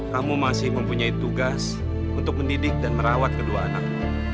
kamu masih mempunyai tugas untuk mendidik dan merawat kedua anak